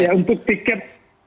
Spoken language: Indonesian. ya untuk tiket